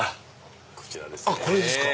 こちらですね。